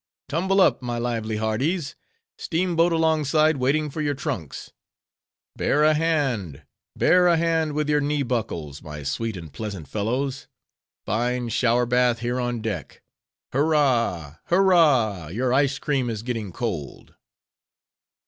Tumble up, my lively hearties; steamboat alongside waiting for your trunks: bear a hand, bear a hand with your knee buckles, my sweet and pleasant fellows! fine shower bath here on deck. Hurrah, hurrah! your ice cream is getting cold!"